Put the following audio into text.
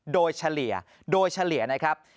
โดยเฉลี่ยโดยเฉลี่ยนะครับ